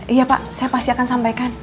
iya pak saya pasti akan sampaikan